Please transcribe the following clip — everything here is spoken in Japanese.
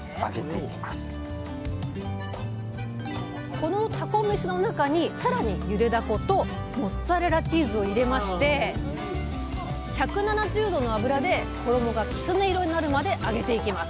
このたこめしの中にさらにゆでダコとモッツァレラチーズを入れまして１７０度の油で衣がきつね色になるまで揚げていきます